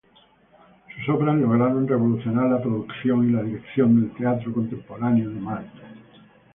Sus obras lograron revolucionar la producción y la dirección del teatro contemporáneo de Malta.